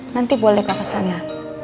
nanti boleh ke sana